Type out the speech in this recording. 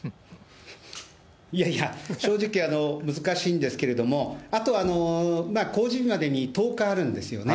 いやいや、正直、難しいんですけれども、あと、公示日までに１０日あるんですよね。